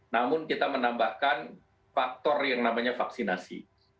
namun kita menambahkan faktor yang namanya vaksinasi